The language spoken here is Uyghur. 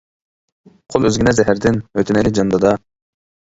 قول ئۈزگىنە زەھەردىن، ئۆتۈنەيلى جان دادا.